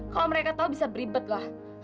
kalo mereka tau bisa beribet lah